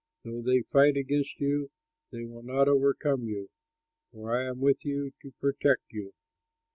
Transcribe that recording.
Though they fight against you, they will not overcome you, for I am with you to protect you."